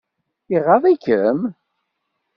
Iɣaḍ-ikem?